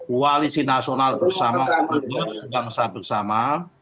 koalisi nasional bersama